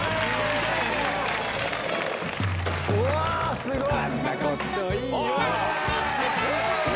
うわすごい！